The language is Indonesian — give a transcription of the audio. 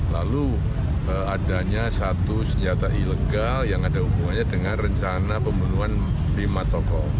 lalu adanya satu senjata ilegal yang ada hubungannya dengan rencana pembunuhan lima tokoh